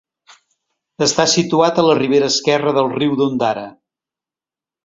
Està situat a la ribera esquerra del riu d'Ondara.